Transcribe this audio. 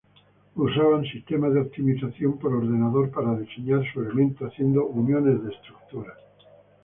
Usaban sistemas de optimización por ordenador para diseñar su elemento, haciendo uniones de estructuras.